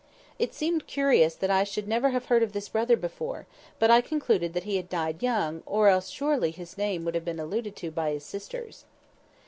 It seemed curious that I should never have heard of this brother before; but I concluded that he had died young, or else surely his name would have been alluded to by his sisters.